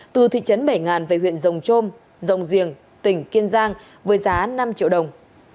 từ thị trấn bảy nghìn về huyện rồng trôm rồng riềng tỉnh kiên giang với giá năm triệu đồng